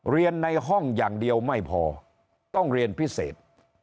ในห้องอย่างเดียวไม่พอต้องเรียนพิเศษ